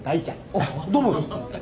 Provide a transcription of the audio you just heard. あっどうも。